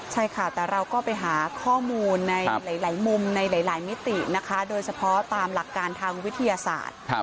ใช่ค่ะแต่เราก็ไปหาข้อมูลในหลายมุมในหลายมิตินะคะโดยเฉพาะตามหลักการทางวิทยาศาสตร์